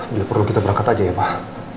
bila perlu kita berangkat aja ya pak